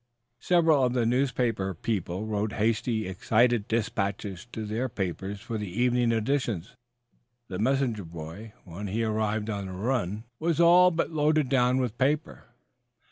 Several of the newspaper people wrote hasty, excited dispatches to their papers for the evening editions. The messenger boy, when he arrived on a run, was all but loaded down with paper.